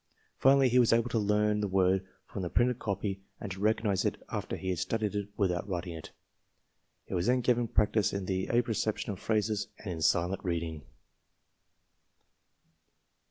Finally he was able to learn the word from the printed copy and to recognize it after he had studied it without writing it. He was then given practice in the apperception of phrases and in silent reading.